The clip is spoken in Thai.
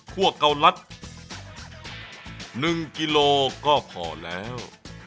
คั่วเกาหลัก๑กิโลก็พอแล้ว